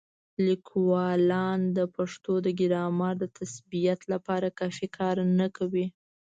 لیکوالان د پښتو د ګرامر د تثبیت لپاره کافي کار نه کوي.